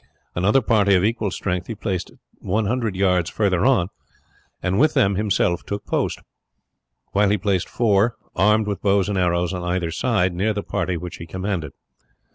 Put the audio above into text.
Another party of equal strength he placed 100 yards further on, and with them himself took post; while he placed four, armed with bows and arrows, on either side, near the party which he commanded.